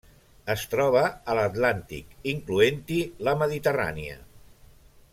Es troba a l'Atlàntic, incloent-hi la Mediterrània.